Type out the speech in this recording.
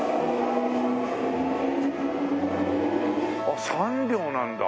あっ３両なんだ。